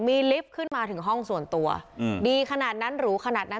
มีลิฟต์ขึ้นมาถึงห้องส่วนตัวดีขนาดนั้นหรูขนาดนั้น